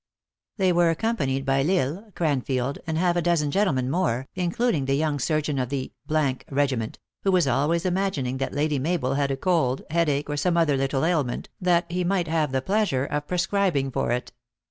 They were accompanied by L Isle, Cranfield, and half a dozen gentlemen more, including the young surgeon of the regiment, who was always imagining that Lady Mabel had a cold, headache, or some other little ailment, that he might have the pleasure of prescribing for it.